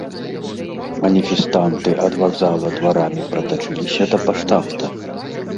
Маніфестанты ад вакзала дварамі пратачыліся да паштамта.